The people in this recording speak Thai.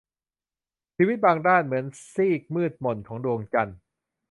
ชีวิตบางด้านเหมือนซีกมืดหม่นของดวงจันทร์